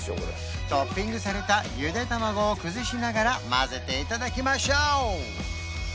トッピングされたゆで卵を崩しながら混ぜていただきましょう！